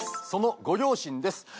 そのご両親です。